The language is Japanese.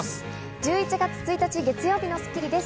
１１月１日、月曜日の『スッキリ』です。